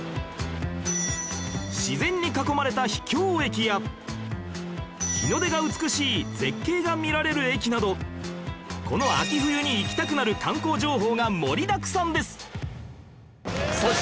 自然に囲まれた秘境駅や日の出が美しい絶景が見られる駅などこの秋冬に行きたくなる観光情報が盛りだくさんです